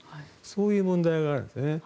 そういう問題があるんです。